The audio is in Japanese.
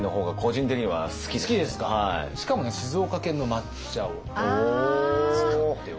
しかもね静岡県の抹茶を使っております。